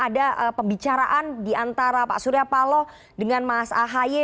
ada pembicaraan diantara pak surya paloh dengan mas ahaye